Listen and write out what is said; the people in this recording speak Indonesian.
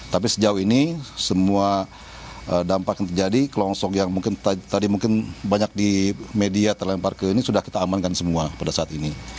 tapi sejauh ini semua dampak yang terjadi kelompok yang mungkin tadi mungkin banyak di media terlempar ke ini sudah kita amankan semua pada saat ini